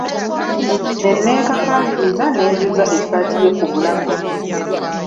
Ne nneekakaabiriza ne njuza essaati ye ku bulago.